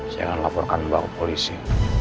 saya akan melaporkan mbak ke polisi